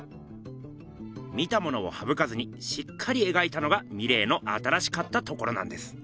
見たものをはぶかずにしっかり描いたのがミレーの新しかったところなんです。